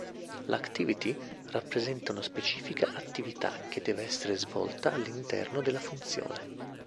L'Activity rappresenta una specifica attività che deve essere svolta all'interno della funzione.